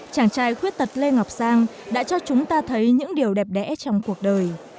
chàng trai khuyết tật lê ngọc sang đã cho chúng ta thấy những điều đẹp đẽ trong cuộc đời